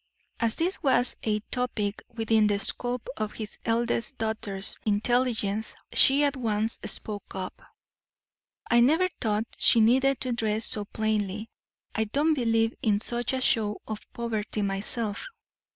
As this was a topic within the scope of his eldest daughter's intelligence she at once spoke up: "I never thought she needed to dress so plainly. I don't believe in such a show of poverty myself.